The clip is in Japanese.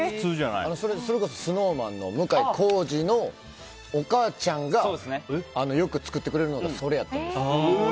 それこそＳｎｏｗＭａｎの向井康二のお母ちゃんがよく作ってくれるのがそれやったんです。